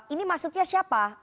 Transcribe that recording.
ini maksudnya siapa